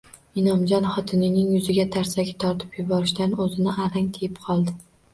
Inomjon xotinining yuziga tarsaki tortib yuborishdan o`zini arang tiyib qoldi